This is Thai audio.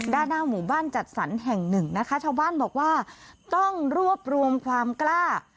ด้านหน้าหมู่บ้านจัดสรรแห่งหนึ่งนะคะชาวบ้านบอกว่าต้องรวบรวมความกล้า